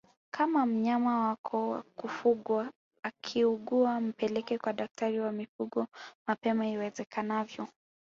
Kama mnyama wako wa kufugwa akiugua mpeleke kwa daktari wa mifugo mapema iwezekanavyo